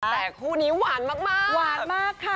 แต่คู่นี้หวานมากค่ะ